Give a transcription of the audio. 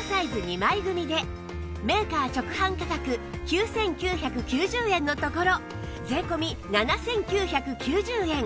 ２枚組でメーカー直販価格９９９０円のところ税込７９９０円！